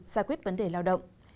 giải quyết vấn đề lao động